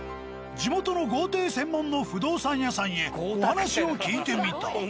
地元の豪邸専門の不動産屋さんへお話を聞いてみた。